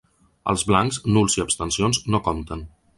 Els blancs, nuls i abstencions no compten.